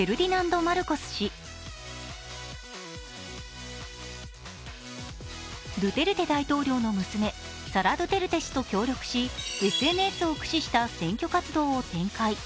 ドゥテルテ大統領の娘、サラ・ドゥテルテ氏と協力しＳＮＳを駆使した選挙活動を展開。